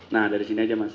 nah dari sini aja mas